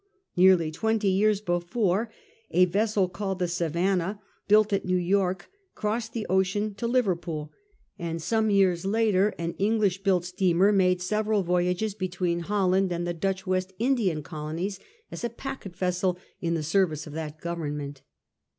Nearly twenty years before, a vessel called the Savannah , built at New York, crossed the ocean to Liverpool, and some years later an EDglish built 88 A HISTORY OF OUR OWN TIMES. OH. IV. steamer made several voyages between Holland and the Dutch West Indian colonies as a packet vessel in the service of that Government.